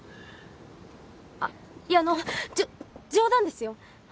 あっいやあのじょ冗談ですよ？